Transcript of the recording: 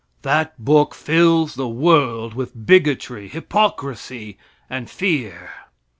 That book fills the world with bigotry, hypocrisy and fear.